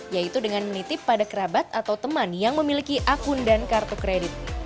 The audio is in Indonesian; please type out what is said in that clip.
yaitu dengan menitip pada kerabat atau teman yang memiliki akun dan kartu kredit